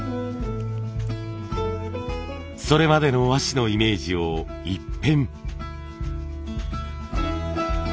それまでの和紙のイメージを一変。